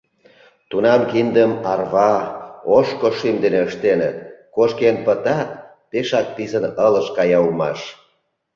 Тунам киндым арва, ошко шӱм дене ыштеныт, кошкен пытат, пешак писын ылыж кая улмаш.